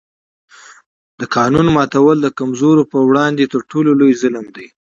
د قانون ماتول د کمزورو پر وړاندې تر ټولو لوی ظلم دی